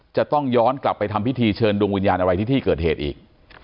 จะต้องย้อนกลับไปทำพิธีเชิญดวงวิญญาณอะไรที่ที่เกิดเหตุอีก